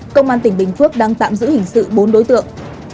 công an tỉnh bình phước đang tạm giữ hình sự bốn đối tượng